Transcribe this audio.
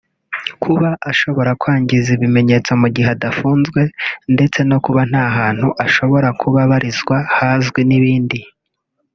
kuba ashobora kwangiza ibimenyetso mu gihe adafunzwe ndetse no kuba nta hantu ashobora kuba abarizwa hazwi n’ibindi